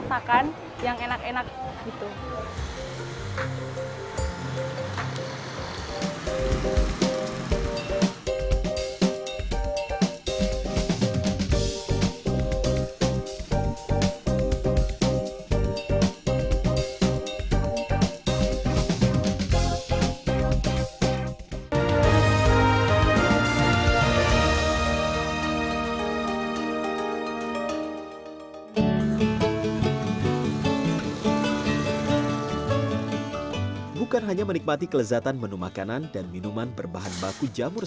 kesehatan di jejamuran setiap wisatawan bisa menikmati kelezatan olahan makanan dan minuman berbahan baku jamur